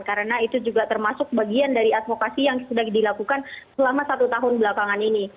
karena itu juga termasuk bagian dari advokasi yang sudah dilakukan selama satu tahun belakangan ini